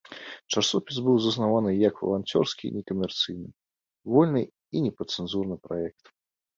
Часопіс быў заснаваны як валанцёрскі і некамерцыйны, вольны і непадцэнзурны праект.